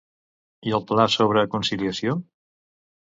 I el pla sobre conciliació?